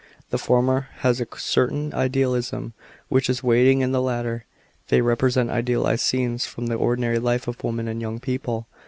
The former has a certain idealism which is wanting in the latter. They represent idealized scenes from the ordinary life of women and young people.